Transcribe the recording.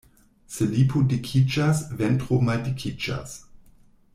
Se lipo dikiĝas, ventro maldikiĝas.